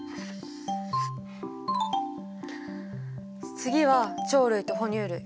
次は鳥類と哺乳類。